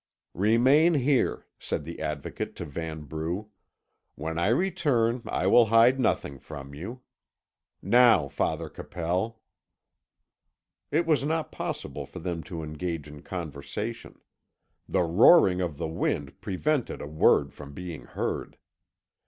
"Remain here," said the Advocate to Vanbrugh; "when I return I will hide nothing from you. Now, Father Capel." It was not possible for them to engage in conversation. The roaring of the wind prevented a word from being heard.